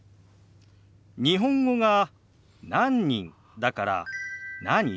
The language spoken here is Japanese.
日本語が「何人」だから「何？」